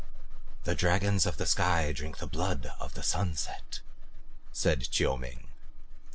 "The dragons of the sky drink the blood of the sunset," said Chiu Ming.